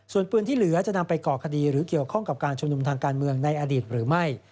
ส่วนปืนที่เหลือจะนำไปก่อคดีหรือเกี่ยวข้องกับการชุมนุมทางการเมืองในอดีตหรือไม่